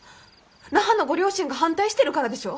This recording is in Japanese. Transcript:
那覇のご両親が反対してるからでしょ？